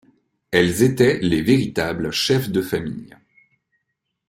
Elles étaient les véritables chefs de famille.